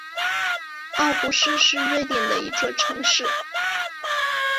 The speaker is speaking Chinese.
奥胡斯是瑞典的一座城市。